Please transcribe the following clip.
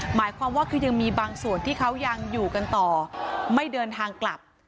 หมายความว่าคือยังมีบางส่วนที่เขายังอยู่กันต่อไม่เดินทางกลับ